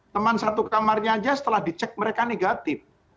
teman satu kamarnya aja setelah dicek mereka negatif